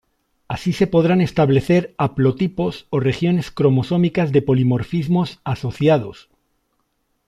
Así se podrán establecer haplotipos o regiones cromosómicas de polimorfismos asociados.